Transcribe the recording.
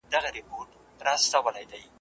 د ناست زمري څخه، ولاړه ګيدړه ښه ده ,